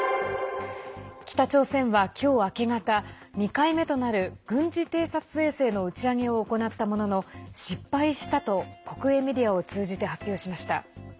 北朝鮮は今日明け方２回目となる軍事偵察衛星の打ち上げを行ったものの失敗したと国営メディアを通じて発表しました。